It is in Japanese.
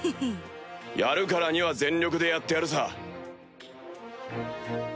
やるからには全力でやってやるさ。